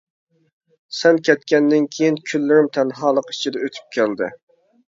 سەن كەتكەندىن كېيىن كۈنلىرىم تەنھالىق ئىچىدە ئۆتۈپ كەلدى.